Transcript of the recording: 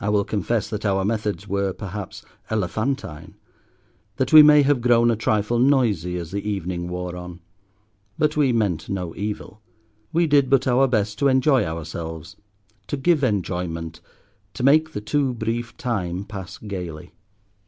I will confess that our methods were, perhaps, elephantine, that we may have grown a trifle noisy as the evening wore on. But we meant no evil; we did but our best to enjoy ourselves, to give enjoyment, to make the too brief time, pass gaily.